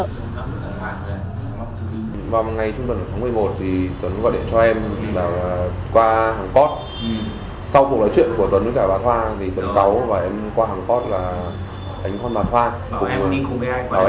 từ tuần tháng một mươi một tuấn gọi điện cho em qua hàng cót sau cuộc nói chuyện của tuấn với bà thoa tuấn cáu và em qua hàng cót đánh con bà thoa